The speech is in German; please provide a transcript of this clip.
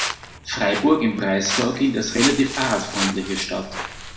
Freiburg im Breisgau gilt als relativ fahrradfreundliche Stadt.